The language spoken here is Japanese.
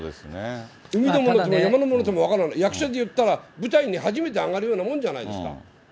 海のものとも山のものとも分からない、役者でいったら舞台に初めて上がるようなもんじゃないですか。